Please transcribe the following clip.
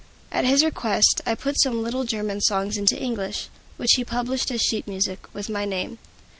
At his request, I put some little German songs into English, which he published as sheet music, with my name.